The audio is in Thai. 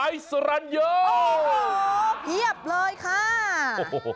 อายสรัญโยโอ้โหเหียบเลยค่ะ